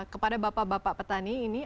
kepada bapak bapak petani ini